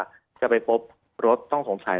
เช่นนี้ว่าจะไปพบรถต้องสงสัย